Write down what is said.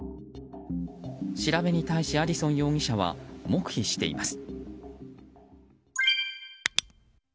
調べに対し、アディソン容疑者は黙秘しています。